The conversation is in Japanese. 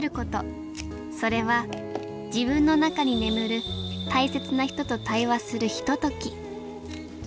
それは自分の中に眠る大切な人と対話するひととき